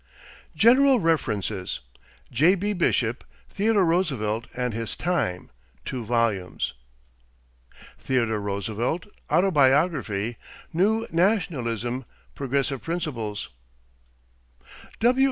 =General References= J.B. Bishop, Theodore Roosevelt and His Time (2 vols.). Theodore Roosevelt, Autobiography; New Nationalism; Progressive Principles. W.